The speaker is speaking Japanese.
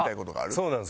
そうなんです。